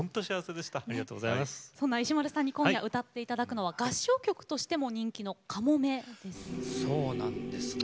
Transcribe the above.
石丸さんに今夜歌っていただくのは合唱曲としても人気の「鴎」ですね。